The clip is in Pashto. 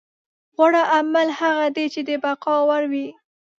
غوره عمل هغه دی چې د بقا وړ وي.